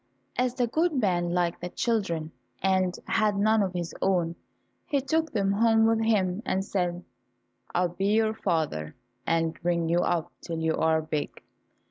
As the good man liked the children, and had none of his own, he took them home with him and said, "I will be your father, and bring you up till you are big."